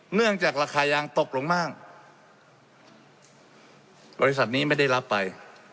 เนื่องจากราคายางตกลงมากบริษัทนี้ไม่ได้รับไป